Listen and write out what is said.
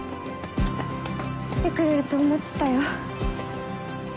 来てくれると思ってたよ。